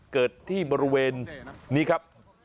เกิดที่บริเวณนี้ครับ